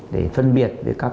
để phân biệt với các độ